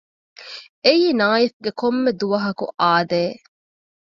އެއީ ނާއިފްގެ ކޮންމެ ދުވަހަކު އާދައެއް